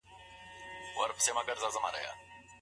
د کډوالو روغتیا ته څنګه پاملرنه کیږي؟